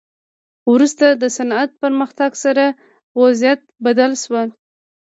وروسته د صنعت پرمختګ سره وضعیت بدل شو.